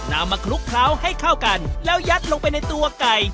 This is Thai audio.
นำมาคลุกเคล้าให้เข้ากันแล้วยัดลงไปในตัวไก่